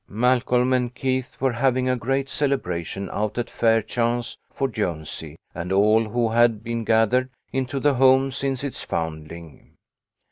Malcolm and Keith were having a great celebration out at Fairchance for Jonesy and all who had been gathered into the home since its founding.